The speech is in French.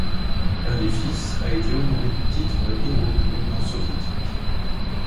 Un des fils a été honoré du titre de héros de l'Union soviétique.